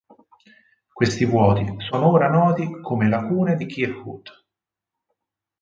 Questi vuoti sono ora noti come lacune di Kirkwood.